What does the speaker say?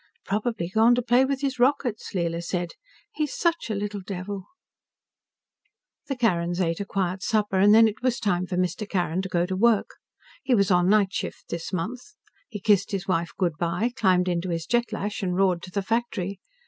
"Probably gone to play with his rockets," Leela said. "He's such a little devil." The Carrins ate a quiet supper, and then it was time for Mr. Carrin to go to work. He was on night shift this month. He kissed his wife good by, climbed into his Jet lash and roared to the factory.